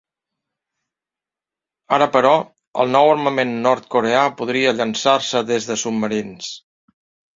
Ara, però, el nou armament nord-coreà podria llançar-se des de submarins.